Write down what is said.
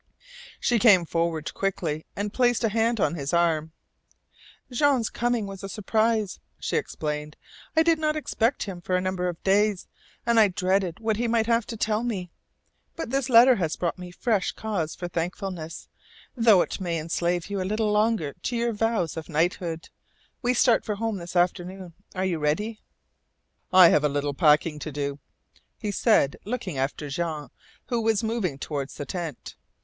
She came forward quickly, and placed a hand on his arm. "Jean's coming was a surprise," she explained. "I did not expect him for a number of days, and I dreaded what he might have to tell me. But this letter has brought me fresh cause for thankfulness, though it may enslave you a little longer to your vows of knighthood. We start for home this afternoon. Are you ready?" "I have a little packing to do," he said, looking after Jean, who was moving toward the tent.